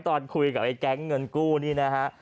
ตอนคุยกับแก๊งเงินกู้นี่นะครับ